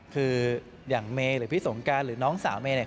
คืออย่างเมย์หรือพี่สงการหรือน้องสาวเมย์เนี่ย